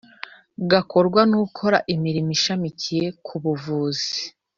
gakorwa n ukora imirimo ishamikiye ku buvuzi